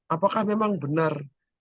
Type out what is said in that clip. apakah memang benar